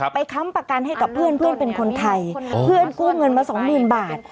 ค้ำประกันให้กับเพื่อนเพื่อนเป็นคนไทยเพื่อนกู้เงินมาสองหมื่นบาท